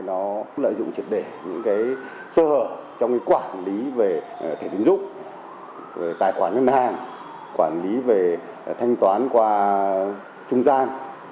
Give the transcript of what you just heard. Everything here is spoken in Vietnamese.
nó lợi dụng triệt để những cái sơ hở trong cái quản lý về thẻ tín dụng tài khoản ngân hàng quản lý về thanh toán qua trung gian